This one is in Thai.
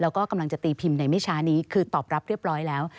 แล้วก็กำลังจะตีพิมพ์ในไม่ช้านี้คือตอบรับเรียบร้อยแล้ว